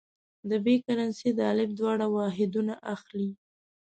د ب کرنسي د الف دوه واحدونه اخلي.